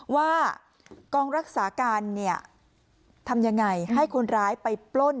ว่ากองรักษาการเนี่ยทำยังไงให้คนร้ายไปปล้น